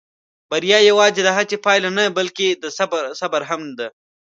بریا یواځې د هڅې پایله نه، بلکې د صبر هم ده.